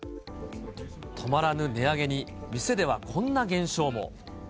止まらぬ値上げに、店ではこんな現象も。